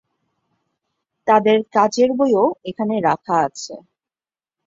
তাদের কাজের বইও এখানে রাখা আছে।